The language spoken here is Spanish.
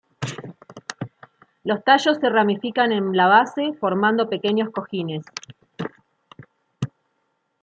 Los tallos se ramifican en la base, formando pequeños cojines.